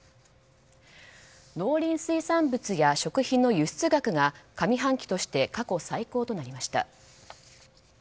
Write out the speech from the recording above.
農林水産物や食品の輸出額が上半期として過去最高となりました。